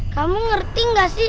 kamu mengerti tidak sih